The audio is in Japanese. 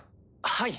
はい。